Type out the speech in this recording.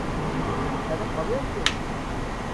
দাদা কবে আসবেন?